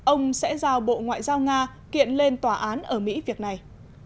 ông sẽ giao bộ ngoại giao nga kiện lên tòa án ở mỹ việc này